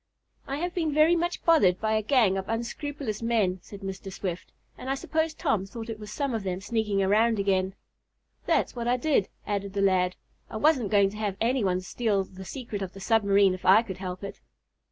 "I have been very much bothered by a gang of unscrupulous men," said Mr. Swift, "and I suppose Tom thought it was some of them sneaking around again." "That's what I did," added the lad. "I wasn't going to have any one steal the secret of the submarine if I could help it."